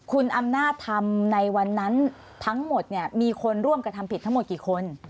คุณอำนาจทำในวันนั้นทั้งหมดเนี่ยมีคนร่วมกระทำผิดทั้งหมดกี่คน